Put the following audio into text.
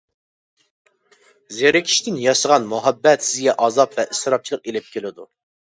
زېرىكىشتىن ياسىغان مۇھەببەت سىزگە ئازاب ۋە ئىسراپچىلىق ئېلىپ كېلىدۇ.